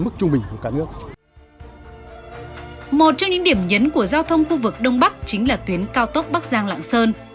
một trong những điểm nhấn của giao thông khu vực đông bắc chính là tuyến cao tốc bắc giang lạng sơn